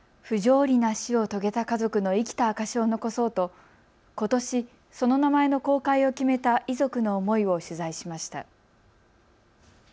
不条理な死を遂げた家族の生きた証しを残そうとことし、その名前の公開を決めた遺族の思いを取材しました。